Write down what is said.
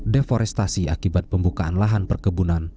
deforestasi akibat pembukaan lahan perkebunan